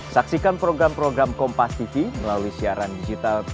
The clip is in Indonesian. saksikan program program kompas tv melalui siaran digital